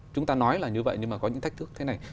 chúng ta nói là như vậy nhưng mà có những thách thức thế này